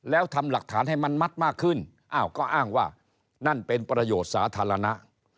แล้วทำหลักฐานให้มันมัดมากขึ้นอ้าวก็อ้างว่านั่นเป็นประโยชน์สาธารณะ